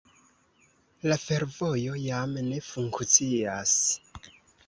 La fervojo jam ne funkcias.